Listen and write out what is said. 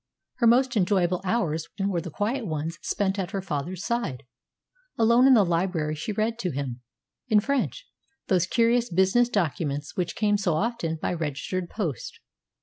Her most enjoyable hours were the quiet ones spent at Her father's side. Alone in the library, she read to him, in French, those curious business documents which came so often by registered post.